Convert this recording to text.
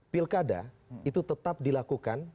pilkada itu tetap dilakukan